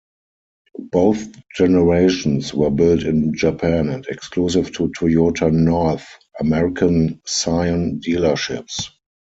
Both generations were built in Japan and exclusive to Toyota North American Scion dealerships.